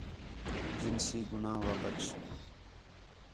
جنسی گُناہ وا ٻَچ